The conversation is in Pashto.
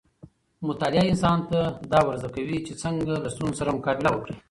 مطالعه انسان ته دا ورزده کوي چې څنګه له ستونزو سره مقابله وکړي.